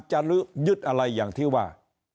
ยึดอะไรอย่างที่ว่า